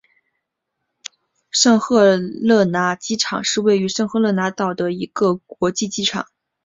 圣赫勒拿机场是位于圣赫勒拿岛上的一座国际机场。